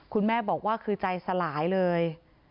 คุณแม่บอกว่าคือใจสลายเลย